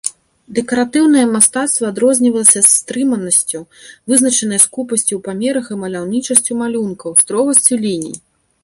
Дэкаратыўнае мастацтва адрознівалася стрыманасцю, вызначанай скупасцю ў памерах і маляўнічасцю малюнкаў, строгасцю ліній.